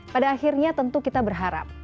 pada akhirnya tentu kita berharap